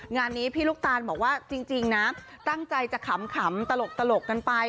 งานนี้พี่ลูกตาลบอกว่าจริงนะตั้งใจจะขำตลกกันไป